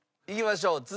いきましょう。